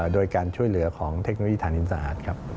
โดยการช่วยเหลือของเทคโนโลยีทางอินสะอาดครับ